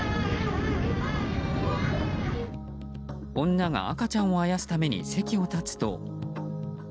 女が赤ちゃんをあやすために席を立つと。